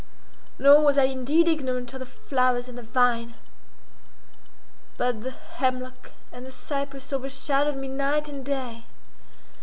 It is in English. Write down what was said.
Nor was I indeed ignorant of the flowers and the vine—but the hemlock and the cypress overshadowed me night and day.